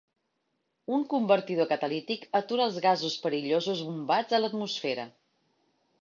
Un convertidor catalític atura els gasos perillosos bombats a l'atmosfera.